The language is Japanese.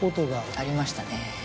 ありましたね。